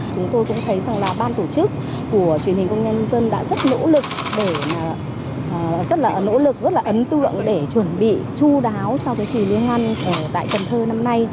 chúng tôi cũng thấy rằng là ban tổ chức của truyền hình công nhân dân đã rất nỗ lực để rất là nỗ lực rất là ấn tượng để chuẩn bị chú đáo cho cái kỳ liên hoan tại cần thơ năm nay